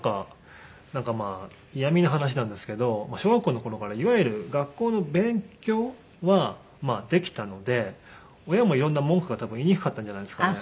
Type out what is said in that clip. なんか嫌みな話なんですけど小学校の頃からいわゆる学校の勉強はできたので親も色んな文句が多分言いにくかったんじゃないですかね。